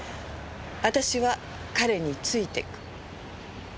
私は彼についてく。